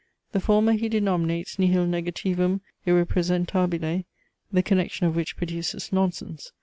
The former he denominates Nihil negativum irrepraesentabile, the connection of which produces nonsense.